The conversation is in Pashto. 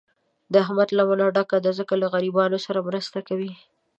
د احمد لمنه ډکه ده، ځکه له غریبانو سره مرستې کوي.